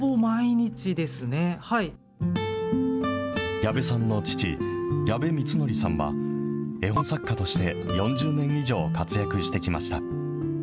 矢部さんの父、やべみつのりさんは、絵本作家として４０年以上活躍してきました。